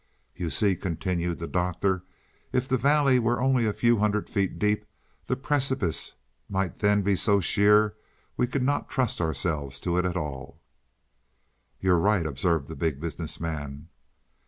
"You see," continued the Doctor, "if the valley were only a few hundred feet deep, the precipice might then be so sheer we could not trust ourselves to it at all." "You're right," observed the Big Business Man.